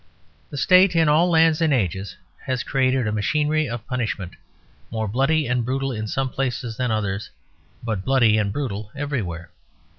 The State, in all lands and ages, has created a machinery of punishment, more bloody and brutal in some places than others, but bloody and brutal everywhere.